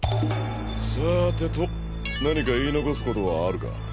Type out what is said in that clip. さあてと何か言い残すことはあるか？